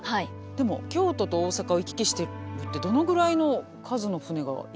でも京都と大阪を行き来してるってどのぐらいの数の船が行き来していたのかしら？